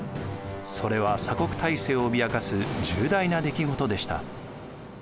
それは鎖国体制を脅かす重大な出来事でした。